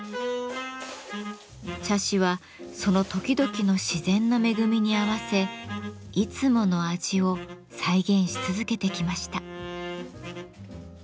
茶師はその時々の自然の恵みに合わせいつもの味を再現し続けてきました。